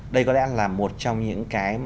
đây có lẽ là một trong những cái